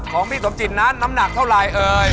ของปีศพจิตน้ำหนักเท่าไรเอ่ย